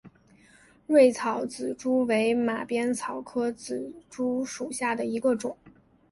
锐叶紫珠为马鞭草科紫珠属下的一个种。